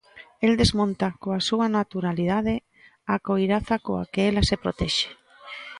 El desmonta, coa súa naturalidade, a coiraza coa que ela se protexe.